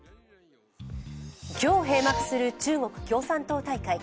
今日閉幕する中国共産党大会。